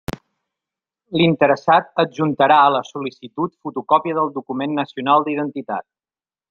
L'interessat adjuntarà a la sol·licitud fotocòpia del document nacional d'identitat.